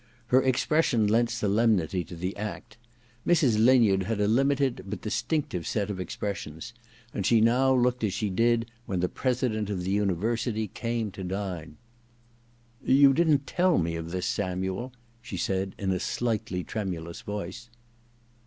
Her expression lent solemnity to the act : Mrs. Linyard had a limited but distinctive set of expressions, and she now looked as she did when the President of the University came to dine. *You didn't tell me of this, &muel,* she said in a slightly tremulous voice.